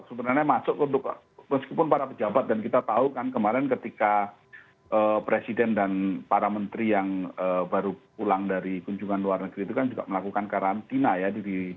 sebenarnya masuk untuk meskipun para pejabat dan kita tahu kan kemarin ketika presiden dan para menteri yang baru pulang dari kunjungan luar negeri itu kan juga melakukan karantina ya